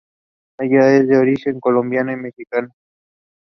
It was adapted into films on two occasions.